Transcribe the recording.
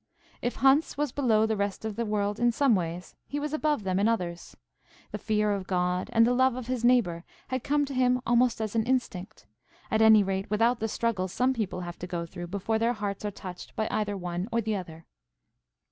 If Hans was below the rest of the world in some ways, he was above them in others. The fear of God and the love of his neighbour had come to him almost as an instinct; at any rate without the struggles some people have to go through before their hearts are touched by either one or the other.